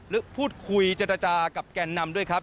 พูดคุยเจรจากับแกนนำด้วยครับ